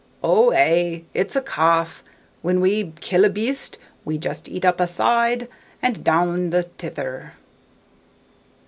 "Oh, ay, it's a' cauf; when we kill a beast, we just eat up ae side, and doun the tither."